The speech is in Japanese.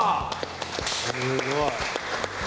すごい。